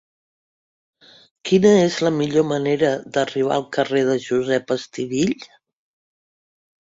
Quina és la millor manera d'arribar al carrer de Josep Estivill?